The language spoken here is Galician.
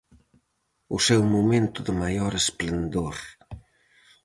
O seu momento de maior esplendor.